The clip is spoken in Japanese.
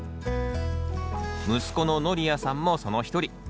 息子の法也さんもその一人。